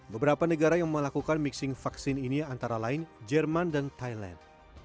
beberapa negara yang melakukan mixing vaksin ini antara lain jerman dan thailand